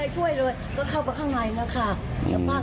ก็เข้าไปข้างในนะครับ